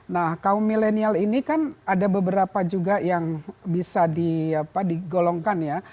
nah kaum milenial ini kan ada beberapa juga yang bisa digolongkan ya